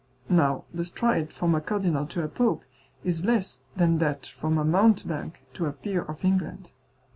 Now the stride from a cardinal to a pope is less than that from a mountebank to a peer of England.